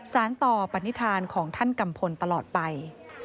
สารต่อปณิธานของท่านกัมพลตลอดไป